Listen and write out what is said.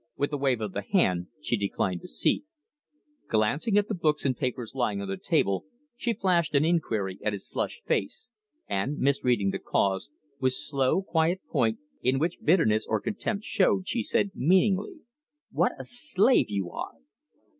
With a wave of the hand she declined the seat. Glancing at the books and papers lying on the table, she flashed an inquiry at his flushed face, and, misreading the cause, with slow, quiet point, in which bitterness or contempt showed, she said meaningly: "What a slave you are!"